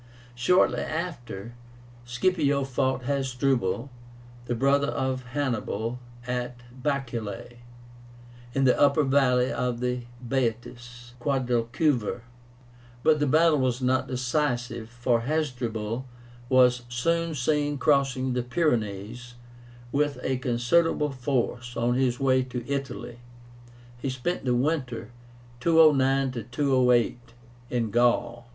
Shortly after, Scipio fought Hasdrubal, the brother of Hannibal, at BAECULAE, in the upper valley of the Baetis (Guadalquivir); but the battle was not decisive, for Hasdrubal was soon seen crossing the Pyrenees, with a considerable force, on his way to Italy. He spent the winter (209 208) in Gaul.